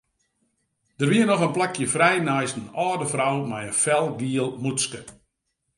Der wie noch in plakje frij neist in âlde frou mei in felgiel mûtske.